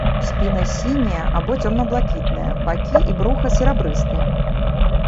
Спіна сіняя або цёмна-блакітная, бакі і бруха серабрыстыя.